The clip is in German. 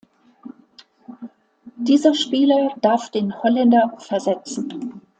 Dieser Spieler darf den Holländer versetzen.